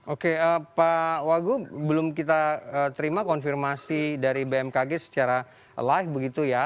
oke pak wagub belum kita terima konfirmasi dari bmkg secara live begitu ya